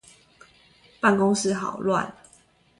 辦公室好亂